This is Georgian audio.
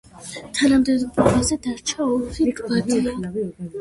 თანამდებობაზე დარჩა ორი ვადით.